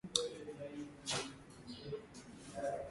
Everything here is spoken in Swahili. Viungo kuvimba hasa miongoni mwa ndama